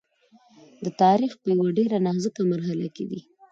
د تاریخ په یوه ډېره نازکه مرحله کې دی.